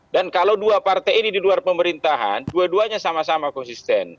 dan kalau dua partai ini di luar pemerintahan dua duanya sama sama konsisten